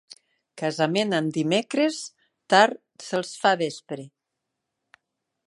Casament en dimecres, tard se'ls fa vespre.